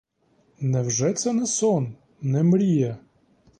Невже це не сон, не мрія?